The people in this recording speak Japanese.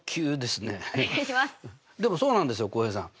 でもそうなんですよ浩平さん。